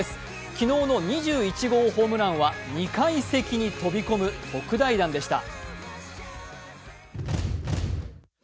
昨日の２１号ホームランは２階席に飛び込む特大弾でした。